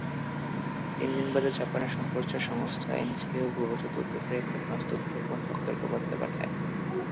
তিন দিন বাদে, জাপানের সম্প্রচার সংস্থা এনএইচকে-ও ভুলবশত উত্তর কোরিয়ার ক্ষেপণাস্ত্র উৎক্ষেপণ সতর্কবার্তা পাঠায়।